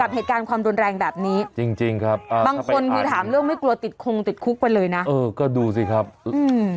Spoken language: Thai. เหตุการณ์ความรุนแรงแบบนี้จริงจริงครับอ่าบางคนคือถามเรื่องไม่กลัวติดคงติดคุกไปเลยนะเออก็ดูสิครับอืม